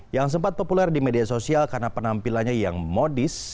yang sempat populer di media sosial karena penampilannya yang modis